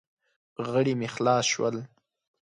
غړي مې خلاص شول.